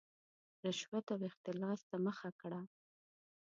رشوت او اختلاس ته مخه کړه.